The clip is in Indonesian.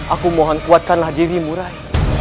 aku mohon kuatkanlah dirimu rai